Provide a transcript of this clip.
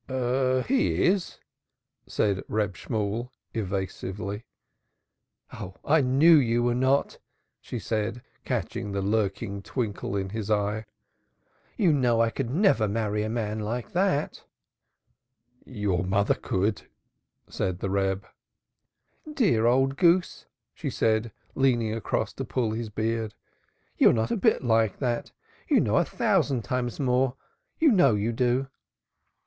"He is." said Reb Shemuel, evasively. "Ah, I knew you were not," she said, catching the lurking twinkle in his eye. "You know I could never marry a man like that." "Your mother could," said the Reb. "Dear old goose," she said, leaning across to pull his beard. "You are not a bit like that you know a thousand times more, you know you do."